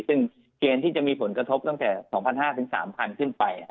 ซึ่งเกณฑ์ที่จะมีผลกระทบตั้งแต่๒๕๐๐๓๐๐ขึ้นไป